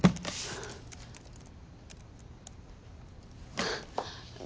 あっ。